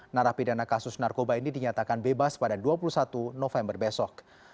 narapidana kasus narkoba ini dinyatakan bebas pada dua puluh satu november besok